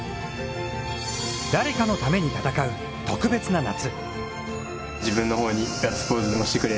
誰かのために戦う特別な夏。